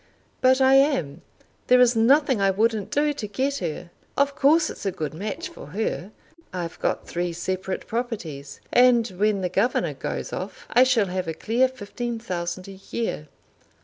"But I am. There is nothing I wouldn't do to get her. Of course it's a good match for her. I've got three separate properties; and when the governor goes off I shall have a clear fifteen thousand a year."